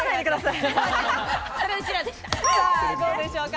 さあどうでしょうか？